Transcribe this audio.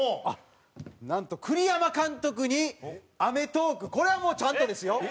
なんと栗山監督に『アメトーーク』これはもうちゃんとですよ。